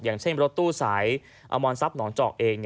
อย่างเช่นรถตู้สายอมรทรัพย์หนองจอกเอง